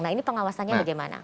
nah ini pengawasannya bagaimana